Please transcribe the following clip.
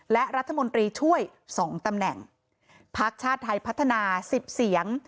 และรัฐมนตรีช่วยสองตำแหน่งพักชาติไทยพัฒนาสิบเสียง